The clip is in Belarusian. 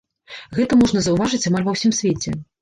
Гэта можна заўважыць амаль ва ўсім свеце.